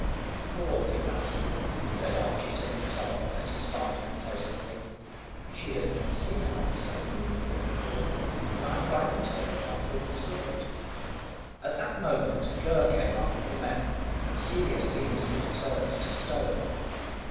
"Poor little lassie!" said Archy to himself, as he smiled complacently; "she has never seen an officer in uniform before, and I frightened her with my drawn sword." At that moment, Gurr came up with the men, and Celia seemed as if turned to stone.